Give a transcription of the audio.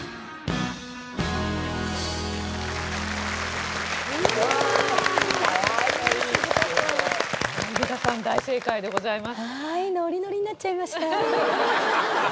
アンミカさん大正解でございます。